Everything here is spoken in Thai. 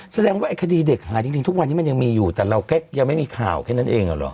แสดงว่าไอ้คดีเด็กหายจริงทุกวันนี้มันยังมีอยู่แต่เราก็ยังไม่มีข่าวแค่นั้นเองเหรอ